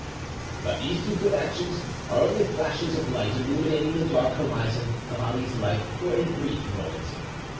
But these two good actions are only flashes of light illuminating the dark horizon of Ali's life for a brief moment.